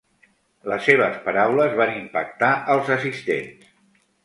Les seves paraules van impactar als assistents.